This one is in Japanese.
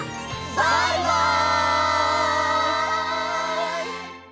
バイバイ！